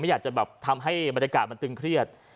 อยากจะแบบทำให้บรรยากาศมันตึงเครียด